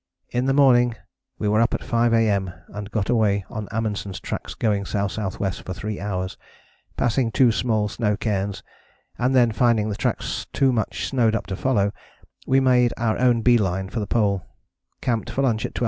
In the morning we were up at 5 A.M. and got away on Amundsen's tracks going S.S.W. for three hours, passing two small snow cairns, and then, finding the tracks too much snowed up to follow, we made our own bee line for the Pole: camped for lunch at 12.